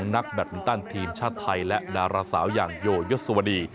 ๒นักแบรนด์ตั้นทีมชาติไทยและดาราสาวอย่างโยยสุวรี